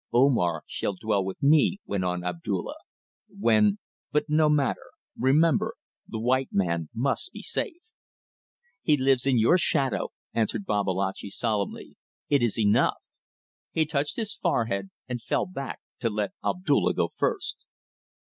"Omar shall dwell with me," went on Abdulla, "when ... But no matter. Remember! The white man must be safe." "He lives in your shadow," answered Babalatchi, solemnly. "It is enough!" He touched his forehead and fell back to let Abdulla go first.